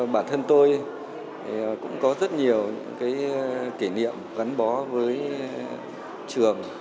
bản thân tôi cũng có rất nhiều những kỷ niệm gắn bó với trường